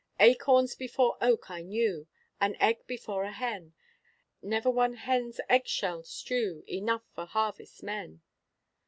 Acorns before oak I knew; An egg before a hen; Never one hen's egg shell stew Enough for harvest men!